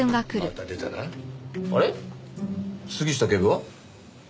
杉下警部は？